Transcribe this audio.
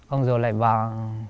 ông rùa lại vào